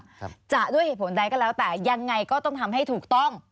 ครับจะด้วยเหตุผลใดก็แล้วแต่ยังไงก็ต้องทำให้ถูกต้อง